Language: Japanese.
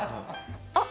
あっ！